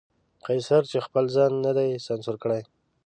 قیصر چې خپل ځان نه دی سانسور کړی.